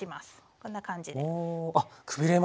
こんな感じで。